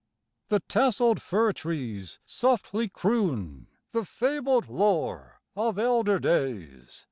The tasselled fir trees softly croon The fabled lore of elder days.